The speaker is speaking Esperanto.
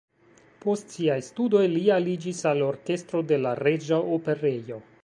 Post siaj studoj li aliĝis al orkestro de la Reĝa Operejo.